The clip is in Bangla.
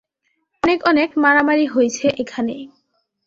অনেক, অনেক মারামারি হইছে এখানে।